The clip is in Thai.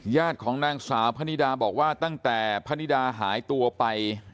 ของนางสาวพนิดาบอกว่าตั้งแต่พนิดาหายตัวไป